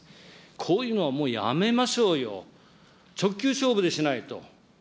こういうのはもうやめましょうよ、直球勝負でしないと。